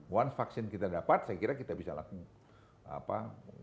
one vaksin kita dapat saya kira kita bisa lakukan apa